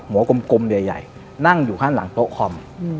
กลมใหญ่นั่งอยู่ข้างหลังโต๊ะคอม